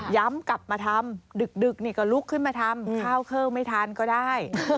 ย้ำกลับมาทำดึกก็ลุกขึ้นมาทำข้าวเคล้วไม่ทานก็ได้